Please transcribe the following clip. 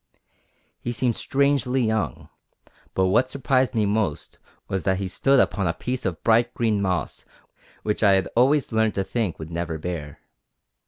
He seemed strangely young, but what surprised me most was that he stood upon a piece of bright green moss which I had always learned to think would never bear.